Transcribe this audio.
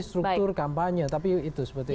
struktur kampanye tapi itu seperti